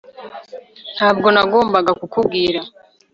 ntabwo nagombaga kukubwira